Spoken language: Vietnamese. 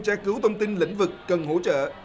tra cứu thông tin lĩnh vực cần hỗ trợ